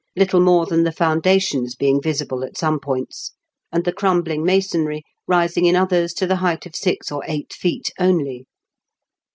Little more than the foundations being visible at some points, and the crumbling masonry rising in others to the height of six or eight feet only.